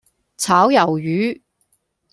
炒魷魚